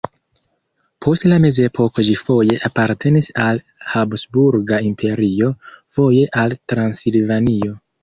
Post la mezepoko ĝi foje apartenis al Habsburga Imperio, foje al Transilvanio.